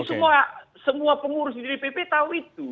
jadi semua semua pengurus dpp tahu itu